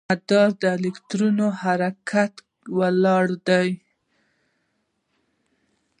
مدار د الکترون د حرکت لاره ده.